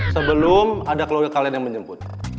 sebelum ada keluarga kalian yang menjemput